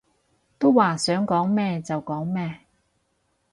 都話想講咩就講咩